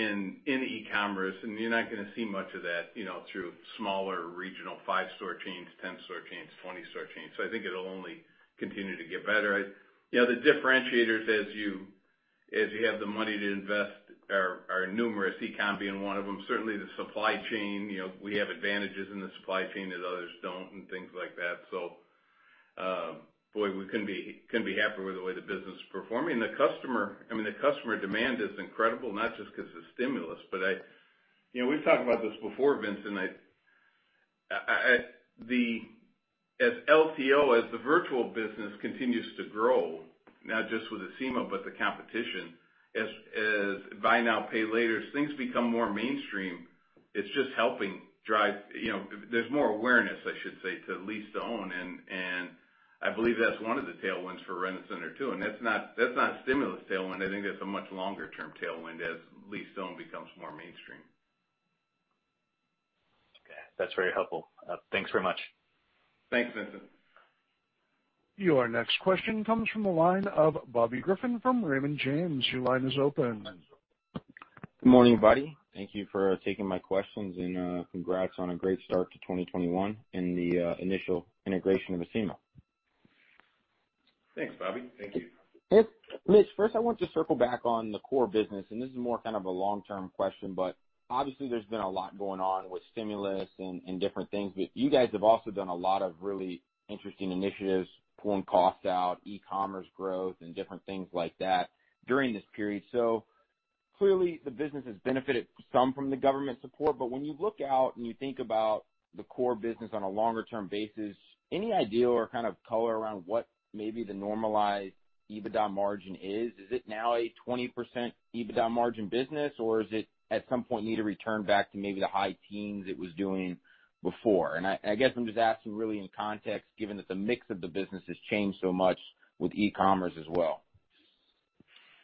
in e-commerce, and you're not going to see much of that, you know, through smaller regional five-store chains, 10-store chains, 20-store chains. So I think it'll only continue to get better. You know, the differentiators, as you have the money to invest, are numerous, e-com being one of them. Certainly, the supply chain. We have advantages in the supply chain that others don't and things like that. So, boy, we couldn't be happier with the way the business is performing. The customer demand is incredible, not just because of stimulus. You know, we've talked about this before, Vincent. As LTO, as the virtual business continues to grow, not just with Acima, but the competition, as buy now, pay later, things become more mainstream, it's just helping drive, you know, there's more awareness, I should say, to lease-to-own, and I believe that's one of the tailwinds for Rent-A-Center, too. That's not stimulus tailwind. I think that's a much longer-term tailwind as lease-to-own becomes more mainstream. Okay. That's very helpful. Thanks very much. Thanks, Vincent. Your next question comes from the line of Bobby Griffin from Raymond James. Your line is open. Good morning, everybody. Thank you for taking my questions, and congrats on a great start to 2021 and the initial integration of Acima. Thanks, Bobby. Thank you. Mitch, first, I want to circle back on the core business, and this is more kind of a long-term question, but obviously, there's been a lot going on with stimulus and different things. You guys have also done a lot of really interesting initiatives, pulling costs out, e-commerce growth, and different things like that during this period. Clearly, the business has benefited some from the government support, but when you look out and you think about the core business on a longer-term basis, any idea or kind of color around what maybe the normalized EBITDA margin is? Is it now a 20% EBITDA margin business, or does it at some point need to return back to maybe the high teens it was doing before? I guess I'm just asking really in context, given that the mix of the business has changed so much with e-commerce as well.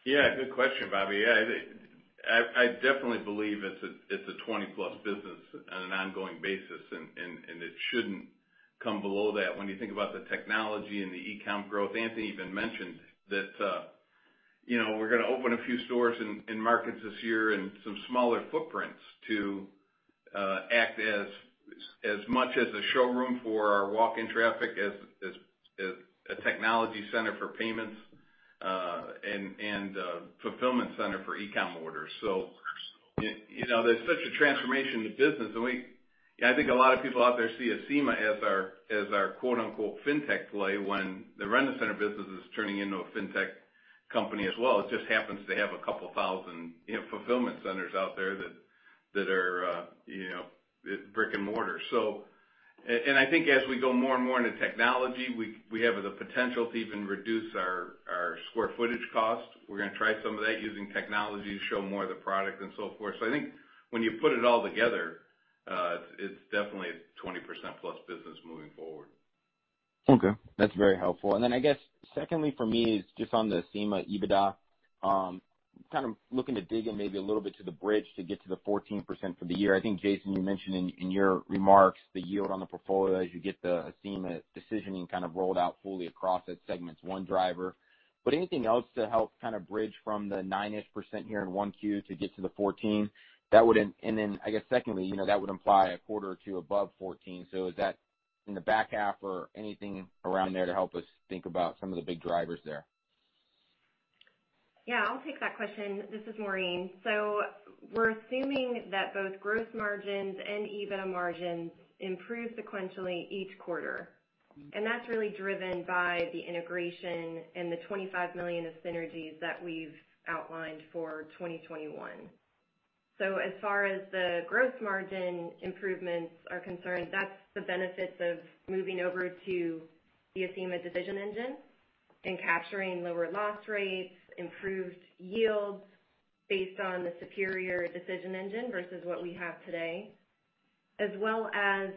Good question, Bobby. I definitely believe it's a 20+ business on an ongoing basis, it shouldn't come below that when you think about the technology and the e-com growth. Anthony even mentioned that, you know, we're going to open a few stores in markets this year and some smaller footprints to act as much as a showroom for our walk-in traffic as a technology center for payments and a fulfillment center for e-com orders. You know, there's such a transformation in the business, and I think a lot of people out there see Acima as our qoute-unqoute fintech play when the Rent-A-Center Business is turning into a fintech company as well. It just happens to have 2,000, you know, fulfillment centers out there that are, you know, brick and mortar. And I think as we go more and more into technology, we have the potential to even reduce our square footage costs. We're going to try some of that using technology to show more of the product and so forth. So I think when you put it all together, it's definitely a 20% plus business moving forward. Okay. That's very helpful. And then I guess secondly for me is just on the Acima EBITDA, kind of looking to dig in maybe a little bit to the bridge to get to the 14% for the year. But anything else to help kind of bridge from the nine-ish percent here in 1Q to get to the 14%? Then, I guess secondly, that would imply a quarter or two above 14%. Is that in the back half or anything around there to help us think about some of the big drivers there? Yeah, I'll take that question. This is Maureen. We're assuming that both gross margins and EBITDA margins improve sequentially each quarter, and that's really driven by the integration and the $25 million of synergies that we've outlined for 2021. So, as far as the gross margin improvements are concerned, that's the benefits of moving over to the Acima decision engine and capturing lower loss rates, improved yields based on the superior decision engine versus what we have today, as well as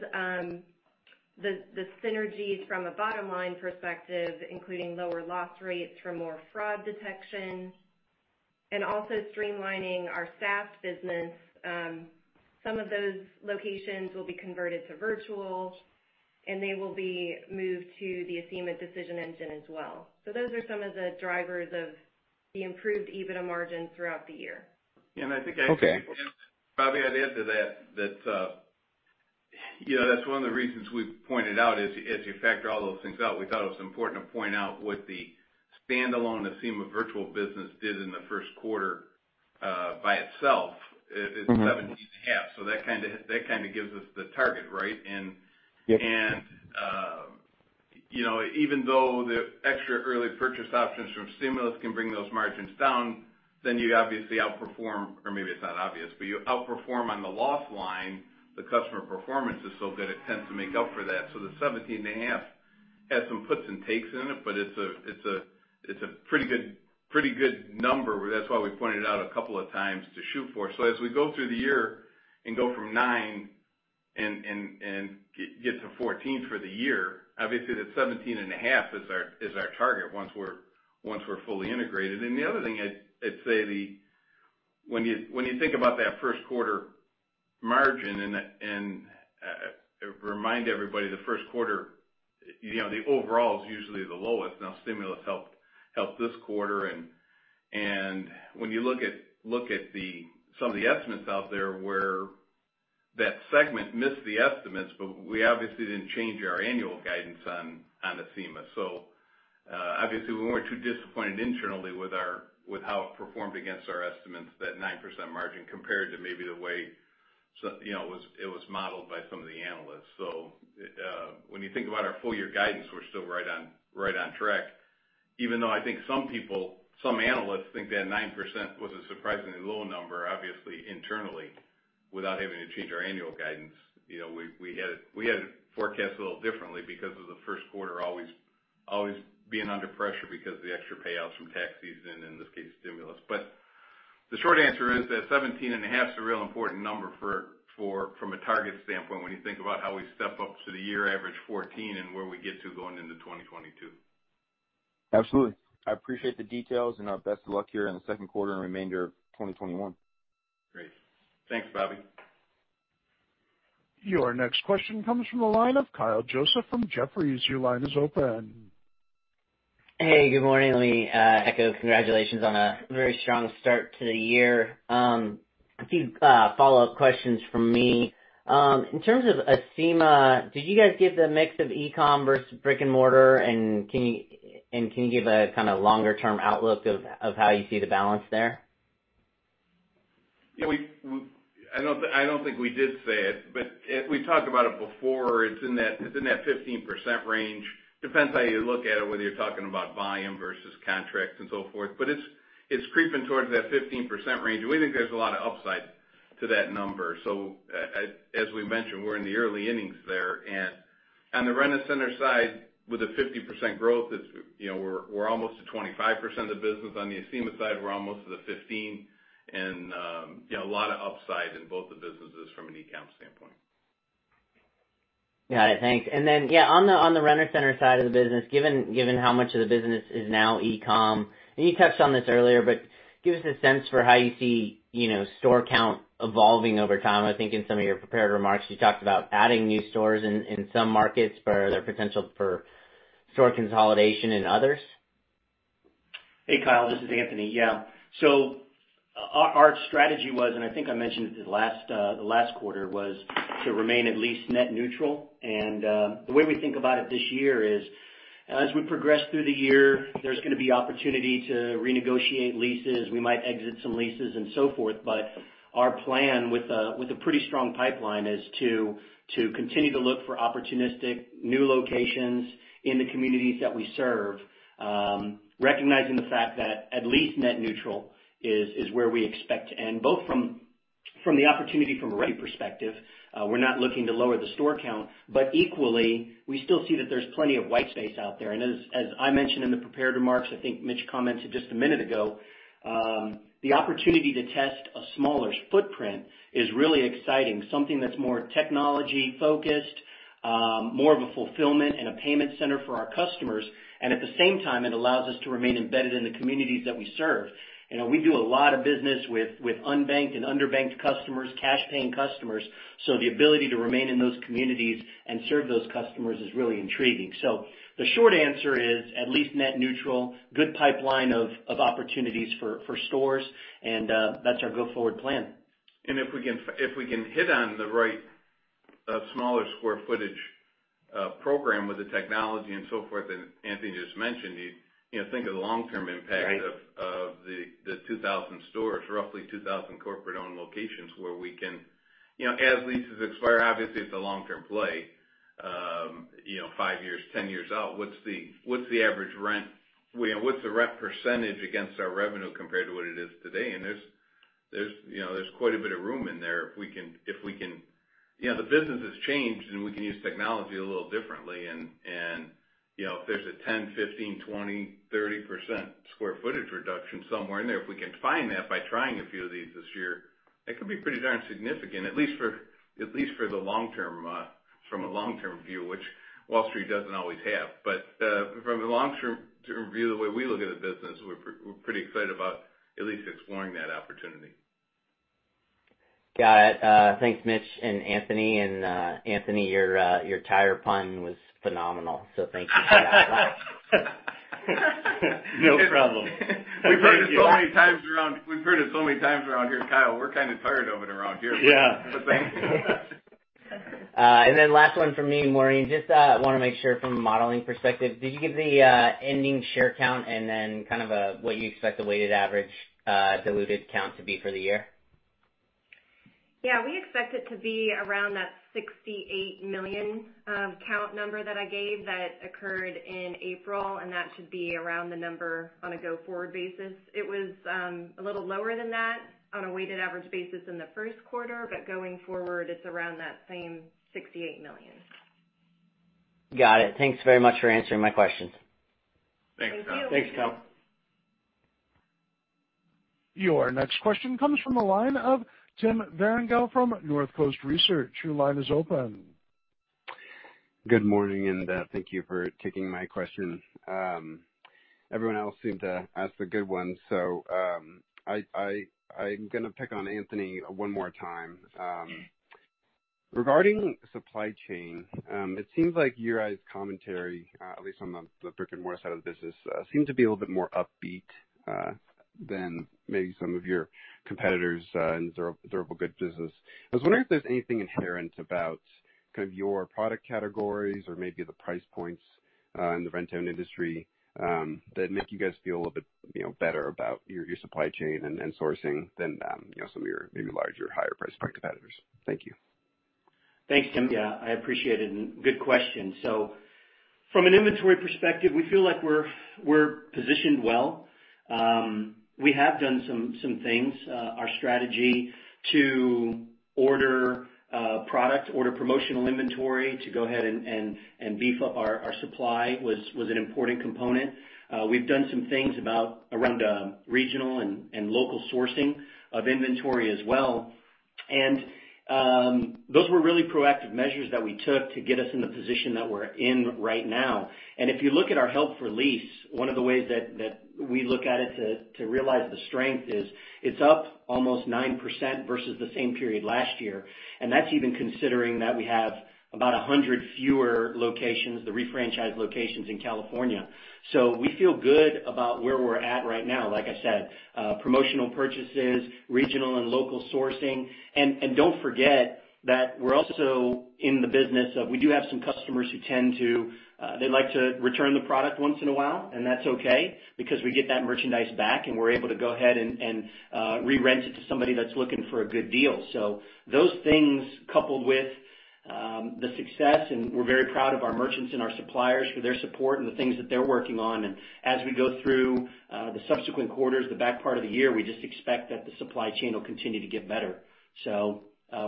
the synergies from a bottom-line perspective, including lower loss rates from more fraud detection and also streamlining our SaaS business. Some of those locations will be converted to virtual, and they will be moved to the Acima decision engine as well. Those are some of the drivers of the improved EBITDA margin throughout the year. Okay. I think, Bobby, I'd add to that's one of the reasons we pointed out is as you factor all those things out, we thought it was important to point out what the standalone Acima virtual business did in the first quarter, by itself is 17.5%. That kind of gives us the target, right? Yep. You know, even though the extra early purchase options from stimulus can bring those margins down, then you obviously outperform, or maybe it's not obvious, but you outperform on the loss line. The customer performance is so good it tends to make up for that. The 17.5% has some puts and takes in it, but it's a pretty good number. That's why we pointed out a couple of times to shoot for. As we go through the year and go from 9% and get to 14% for the year, obviously, that 17.5% is our target once we're fully integrated. The other thing I'd say, when you think about that first quarter margin and remind everybody the first quarter, the overall is usually the lowest. Stimulus helped this quarter. When you look at some of the estimates out there where that segment missed the estimates, but we obviously didn't change our annual guidance on Acima. Obviously, we weren't too disappointed internally with how it performed against our estimates, that 9% margin compared to maybe the way, you know, it was modeled by some of the analysts. When you think about our full year guidance, we're still right on track. Even though I think some people, some analysts think that 9% was a surprisingly low number, obviously internally, without having to change our annual guidance. You know, we had forecast a little differently because of the first quarter always being under pressure because of the extra payouts from tax season, in this case, stimulus. But the short answer is that 17.5% is a real important number from a target standpoint when you think about how we step up to the year average 14% and where we get to going into 2022. Absolutely. I appreciate the details and our best of luck here in the second quarter and remainder of 2021. Great. Thanks, Bobby. Your next question comes from the line of Kyle Joseph from Jefferies. Your line is open. Hey, good morning. Let me echo congratulations on a very strong start to the year. A few follow-up questions from me. In terms of Acima, did you guys give the mix of e-com versus brick and mortar, and can you give a kind of longer-term outlook of how you see the balance there? Yeah, I don't think we did say it, but we've talked about it before. It's in that 15% range. Depends how you look at it, whether you're talking about volume versus contracts and so forth, but it's creeping towards that 15% range, and we think there's a lot of upside to that number. As we mentioned, we're in the early innings there, and on the Rent-A-Center side with a 50% growth, you know, we're almost to 25% of the business. On the Acima side, we're almost to the 15%, and, you know, a lot of upside in both the businesses from an e-com standpoint. Got it. Thanks. Yeah, on the Rent-A-Center side of the business, given how much of the business is now e-com, and you touched on this earlier, but give us a sense for how you see, you know, store count evolving over time? I think in some of your prepared remarks, you talked about adding new stores in some markets for their potential for store consolidation in others. Hey, Kyle, this is Anthony. Yeah. Our strategy was, and I think I mentioned it the last quarter, was to remain at least net neutral. The way we think about it this year is, as we progress through the year, there's going to be opportunity to renegotiate leases. We might exit some leases and so forth, but our plan with a pretty strong pipeline is to continue to look for opportunistic new locations in the communities that we serve. Recognizing the fact that at least net neutral is where we expect to end, both from the opportunity from a rent perspective, we're not looking to lower the store count, but equally, we still see that there's plenty of white space out there. As I mentioned in the prepared remarks, I think Mitch commented just a minute ago, the opportunity to test a smaller footprint is really exciting. Something that's more technology-focused, more of a fulfillment and a payment center for our customers. At the same time, it allows us to remain embedded in the communities that we serve. We do a lot of business with unbanked and underbanked customers, cash paying customers. The ability to remain in those communities and serve those customers is really intriguing. The short answer is at least net neutral, good pipeline of opportunities for stores and that's our go forward plan. If we can hit on the right smaller square footage program with the technology and so forth that Anthony just mentioned, think of the long term impact kind Right. ...of the 2,000 stores, roughly 2,000 corporate owned locations where we can, you know, as leases expire, obviously it's a long-term play, you know, five years, 10 years out. What's the rent percent against our revenue compared to what it is today? There's, you know, quite a bit of room in there. The business has changed, and we can use technology a little differently. You know, if there's a 10%, 15%, 20%, 30% square footage reduction somewhere in there, if we can find that by trying a few of these this year, it could be pretty darn significant, at least from a long-term view, which Wall Street doesn't always have. But from a long-term view, the way we look at a business, we're pretty excited about at least exploring that opportunity. Got it. Thanks Mitch and Anthony. Anthony, your tire pun was phenomenal, so thank you for that. No problem. We've heard it so many times around here, Kyle. We're kind of tired of it around here. Yeah. Thank you. Last one from me, Maureen, just want to make sure from a modeling perspective, did you give the ending share count and then kind of what you expect the weighted average diluted count to be for the year? Yeah, we expect it to be around that 68 million count number that I gave that occurred in April, and that should be around the number on a go forward basis. It was a little lower than that on a weighted average basis in the first quarter, but going forward it's around that same 68 million. Got it. Thanks very much for answering my questions. Thank you. Thanks, Kyle. Thanks, Kyle. Your next question comes from the line of Tim Vierengel from Northcoast Research. Your line is open. Good morning. Thank you for taking my question. Everyone else seemed to ask the good ones. I'm going to pick on Anthony one more time. Regarding supply chain, it seems like your guys' commentary, at least on the brick and mortar side of the business, seem to be a little bit more upbeat than maybe some of your competitors in durable goods business. I was wondering if there's anything inherent about your product categories or maybe the price points in the lease-to-own industry that make you guys feel a little bit, you know, better about your supply chain and sourcing than some of your maybe larger, higher price point competitors. Thank you. Thanks, Tim. Yeah, I appreciate it, and good question. From an inventory perspective, we feel like we're positioned well. We have done some things. Our strategy to order product, order promotional inventory, to go ahead and beef up our supply was an important component. We've done some things around regional and local sourcing of inventory as well, and those were really proactive measures that we took to get us in the position that we're in right now. And if you look at our held for lease, one of the ways that we look at it to realize the strength is it's up almost 9% versus the same period last year. And that's even considering that we have about 100 fewer locations, the refranchised locations in California. So, we feel good about where we're at right now. Like I said, promotional purchases, regional and local sourcing. Don't forget that we're also in the business of, we do have some customers who like to return the product once in a while, and that's okay because we get that merchandise back, and we're able to go ahead and re-rent it to somebody that's looking for a good deal. Those things coupled with the success, and we're very proud of our merchants and our suppliers for their support and the things that they're working on. As we go through the subsequent quarters, the back part of the year, we just expect that the supply chain will continue to get better. So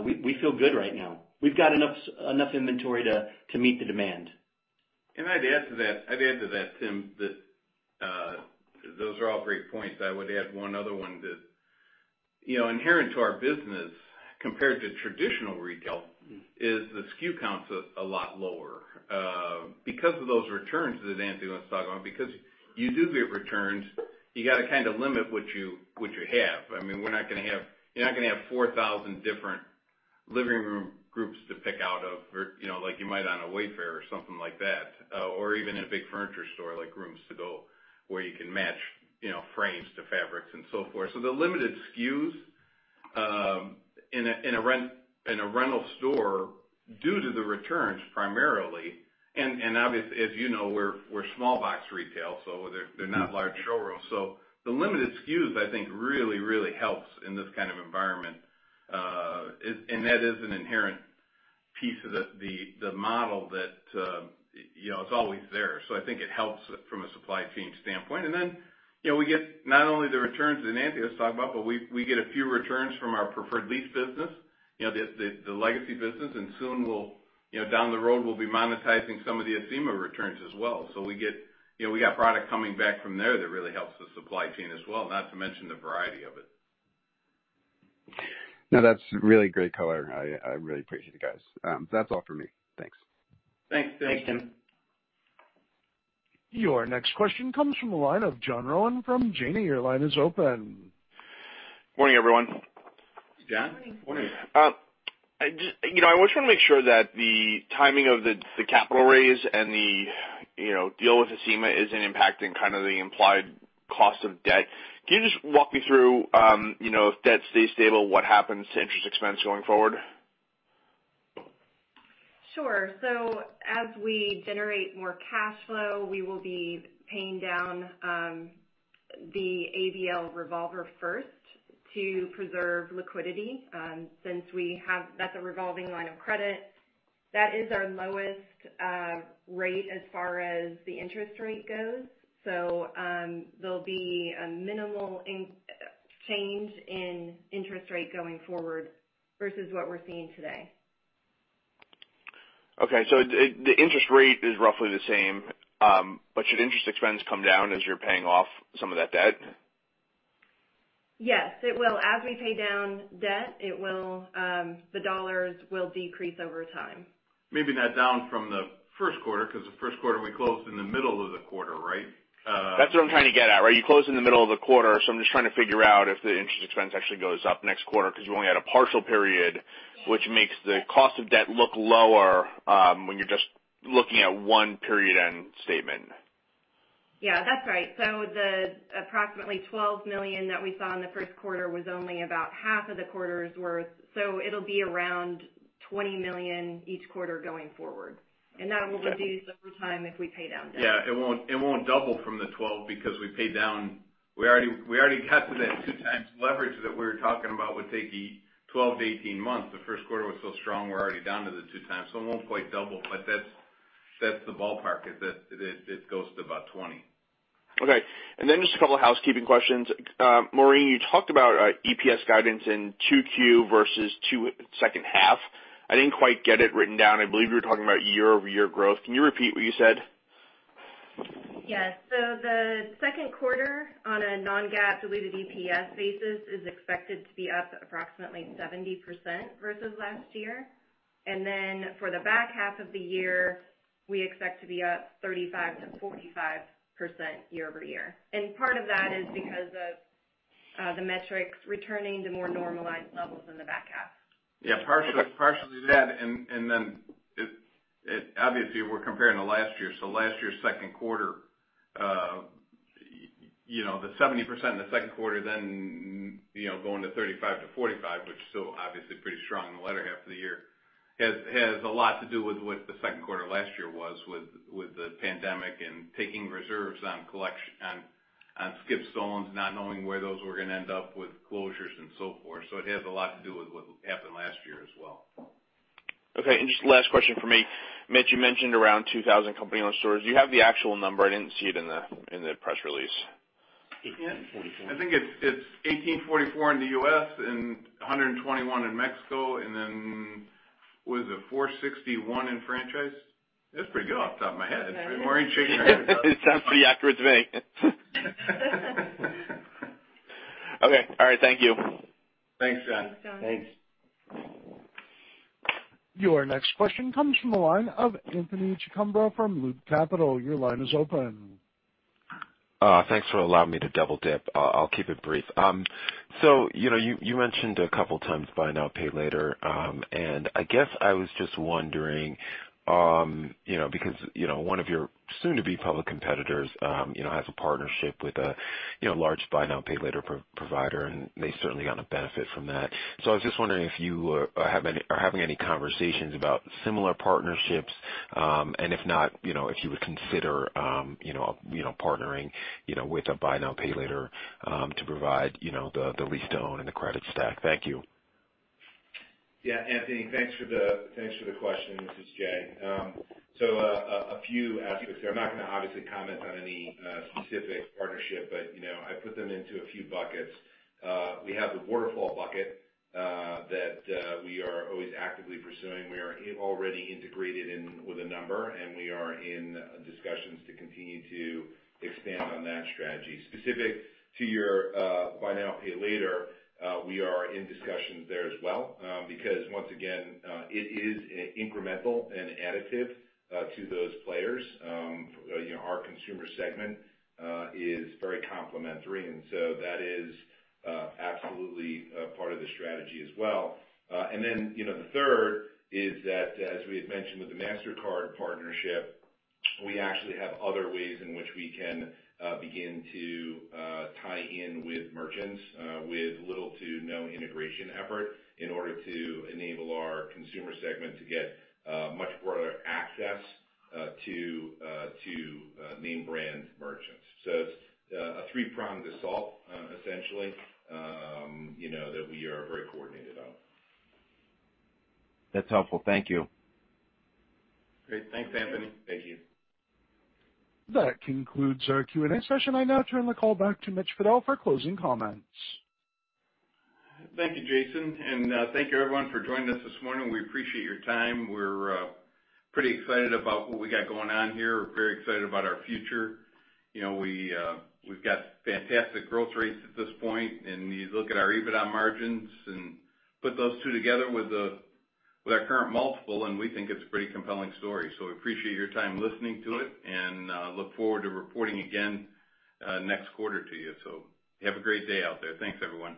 we feel good right now. We've got enough inventory to meet the demand. I'd add to that, Tim, that those are all great points. I would add one other one, that, you know, inherent to our business compared to traditional retail is the SKU count's a lot lower. Because of those returns, as Anthony wants to talk about, because you do get returns, you got to kind of limit what you have. I mean, you're not going to have 4,000 different living room groups to pick out of, you know, like you might on a Wayfair or something like that. Or even in a big furniture store like Rooms To Go, where you can match, you know, frames to fabrics and so forth. The limited SKUs in a rental store due to the returns primarily, and obviously, as you know, we're small box retail, so they're not large showrooms. So the limited SKUs, I think really helps in this kind of environment. That is an inherent piece of the model that, you know, is always there. I think it helps from a supply chain standpoint. Then, you know, we get not only the returns that Anthony was talking about, but we get a few returns from our Preferred Lease business, the legacy business, and soon down the road, we'll be monetizing some of the Acima returns as well. We got product coming back from there that really helps the supply chain as well, not to mention the variety of it. No, that's really great color. I really appreciate it, guys. That's all for me. Thanks. Thanks. Thanks, Tim. Your next question comes from the line of John Rowan from Janney. Your line is open. Morning, everyone. John, morning. You know, I just want to make sure that the timing of the capital raise and the, you know, deal with Acima isn't impacting the implied cost of debt. Can you just walk me through, you know, if debt stays stable, what happens to interest expense going forward? Sure. As we generate more cash flow, we will be paying down the ABL revolver first to preserve liquidity. Since that's a revolving line of credit, that is our lowest rate as far as the interest rate goes. So there'll be a minimal change in interest rate going forward versus what we're seeing today. Okay. The interest rate is roughly the same. Should interest expense come down as you're paying off some of that debt? Yes, it will. As we pay down debt, the dollars will decrease over time. Maybe not down from the first quarter, because the first quarter we closed in the middle of the quarter, right? That's what I'm trying to get at, right? Are you closing the middle of the quarter, so I'm just trying to figure out if the interest expense actually goes up next quarter because you only had a partial period, which makes the cost of debt look lower, when you're just looking at one period end statement. Yeah, that's right. So, the approximately $12 million that we saw in the first quarter was only about half of the quarter's worth. So it'll be around $20 million each quarter going forward. That will reduce over time if we pay down debt. Yeah, it won't double from the $12 million because we paid down. We already got to that 2x leverage that we were talking about would take 12-18 months. The first quarter was so strong, we're already down to the 2x, so it won't quite double, but that's the ballpark, it goes to about $20 million. Okay. And then, just a couple housekeeping questions. Maureen, you talked about EPS guidance in 2Q versus second half. I didn't quite get it written down. I believe you were talking about year-over-year growth. Can you repeat what you said? Yes. So, the second quarter on a non-GAAP diluted EPS basis is expected to be up approximately 70% versus last year. And then, for the back half of the year, we expect to be up 35%-45% year-over-year. Part of that is because of the metrics returning to more normalized levels in the back half. Yeah, partially lead and then, obviously we're comparing to last year. So last year's second quarter, you know, the 70% in the second quarter, then, you know, going to 35%-45%, which is still obviously pretty strong in the latter half of the year, has a lot to do with what the second quarter last year was with the pandemic and taking reserves on skip/stolen, not knowing where those were going to end up with closures and so forth. It has a lot to do with what happened last year as well. Okay, just last question for me. Mitch, you mentioned around 2,000 company-owned stores. Do you have the actual number? I didn't see it in the press release. I think it's 1,844 in the U.S. and 121 in Mexico. And then, what was it? 461 in franchise. That's pretty good off the top of my head. Maureen's shaking her head. It sounds pretty accurate to me. Okay. All right. Thank you. Thanks, John. Thanks, John. Thanks Your next question comes from the line of Anthony Chukumba from Loop Capital. Your line is open. Thanks for allowing me to double-dip. I'll keep it brief. You know, you mentioned a couple times buy now, pay later. I guess I was just wondering, you know, because one of your soon-to-be public competitors, you know, has a partnership with a, you know, large buy now, pay later provider, and they certainly are going to benefit from that. So, I was just wondering if you are having any conversations about similar partnerships? If not, you know, if you would consider, you know, partnering, you know, with a buy now, pay later, to provide, you know, the lease-to-own and the credit stack. Thank you. Anthony, thanks for the question. This is Jay. A few aspects there. I'm not going to obviously comment on any specific partnership, but, you know, I put them into a few buckets. We have the waterfall bucket that we are always actively pursuing. We are already integrated in with a number, and we are in discussions to continue to expand on that strategy. Specific to your buy now, pay later, we are in discussions there as well. Once again, it is incremental and additive to those players. Our consumer segment is very complementary, and so that is absolutely part of the strategy as well. You know, the third is that, as we had mentioned with the Mastercard partnership, we actually have other ways in which we can begin to tie in with merchants with little to no integration effort in order to enable our consumer segment to get much broader access to name-brand merchants. It's a three-pronged assault, essentially, you know, that we are very coordinated on. That's helpful. Thank you. Great. Thanks, Anthony. Thank you. That concludes our Q&A session. I now turn the call back to Mitch Fadel for closing comments. Thank you, Jason. Thank you everyone for joining us this morning. We appreciate your time. We're pretty excited about what we got going on here. We're very excited about our future. You know, we've got fantastic growth rates at this point, and you look at our EBITDA margins and put those two together with our current multiple, and we think it's a pretty compelling story. So we appreciate your time listening to it and look forward to reporting again next quarter to you. Have a great day out there. Thanks, everyone.